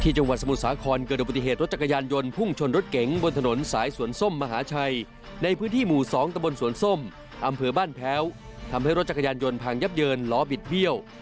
จังหวัดสมุทรสาครเกิดอุบัติเหตุรถจักรยานยนต์พุ่งชนรถเก๋งบนถนนสายสวนส้มมหาชัยในพื้นที่หมู่๒ตะบนสวนส้มอำเภอบ้านแพ้วทำให้รถจักรยานยนต์พังยับเยินล้อบิดเบี้ยว